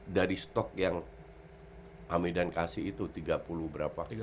dari stok yang amedan kasih itu tiga puluh berapa